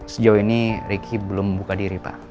sejauh ini riki belum membuka diri pak